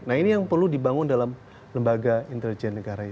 nah ini yang perlu dibangun dalam lembaga intelijen negara ini